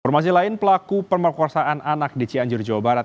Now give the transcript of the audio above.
informasi lain pelaku pemerkosaan anak di cianjur jawa barat